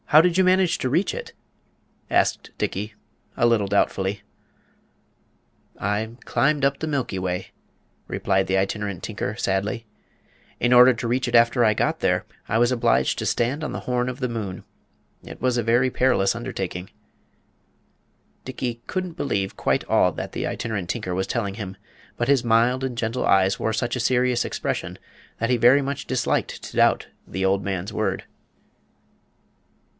"How did you manage to reach it?" asked Dickey, a little doubtfully. "I climbed up the Milky Way," replied the Itinerant Tinker, sadly. "In order to reach it after I got there, I was obliged to stand on the horn of the moon. It was a very perilous undertaking." Dickey couldn't believe quite all that the Itinerant Tinker was telling him. But his mild and gentle eyes wore such a serious expression that he very much disliked to doubt the old man's word.